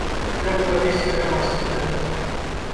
Трэба падвесці грамадства да гэтага.